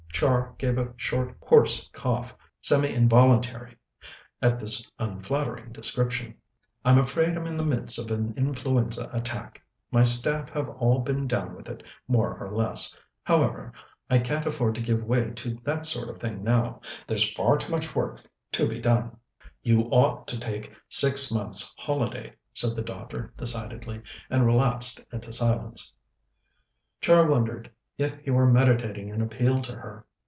Char gave a short, hoarse cough, semi involuntary, at this unflattering description. "I'm afraid I'm in the midst of an influenza attack. My staff have all been down with it, more or less. However, I can't afford to give way to that sort of thing now; there's far too much work to be done." "You ought to take six months' holiday," said the doctor decidedly, and relapsed into silence. Char wondered if he were meditating an appeal to her.